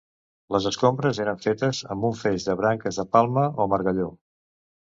Les escombres eren fetes amb un feix de branques, de palma o margalló.